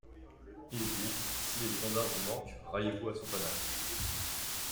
Il dit : «Si les étendards vous manquent, ralliez-vous à ce panache.